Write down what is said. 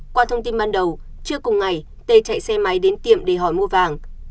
qua thông tin ban đầu trước cùng ngày t chạy xe máy đến tiệm để hỏi mua vàng